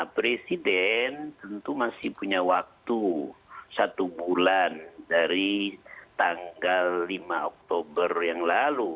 presiden tentu masih punya waktu satu bulan dari tanggal lima oktober yang lalu